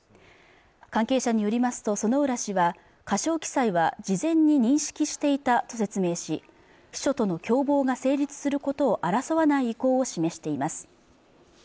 関係者によりますと薗浦氏は過少記載は事前に認識していたと説明し秘書との共謀が成立することを争わない意向を示しています